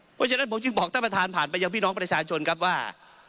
เพราะฉะนั้นผมจึงบอกท่านประธานผ่านไปยังพี่น้องประชาชนครับว่า